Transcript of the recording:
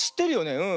うん。